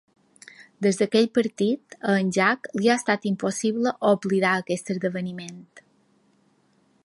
Des d'aquell partit, a en Jack li ha estat impossible oblidar aquest esdeveniment.